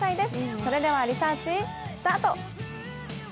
それではリサーチ、スタート！